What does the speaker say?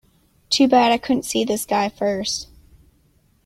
Too bad I couldn't see this guy first.